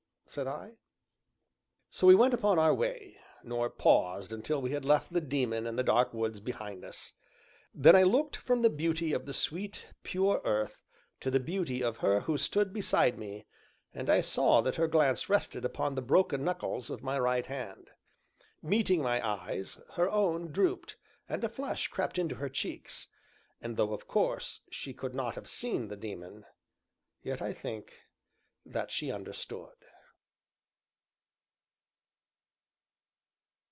said I. So we went upon our way, nor paused until we had left the Daemon and the dark woods behind us. Then I looked from the beauty of the sweet, pure earth to the beauty of her who stood beside me, and I saw that her glance rested upon the broken knuckles of my right hand. Meeting my eyes, her own drooped, and a flush crept into her cheeks, and, though of course she could not have seen the Daemon, yet I think that she understood.